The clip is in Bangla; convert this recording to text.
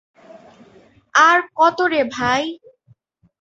আর কত রে ভাই!